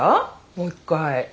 もう一回。